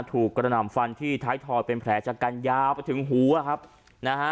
กระหน่ำฟันที่ท้ายถอยเป็นแผลชะกันยาวไปถึงหูอะครับนะฮะ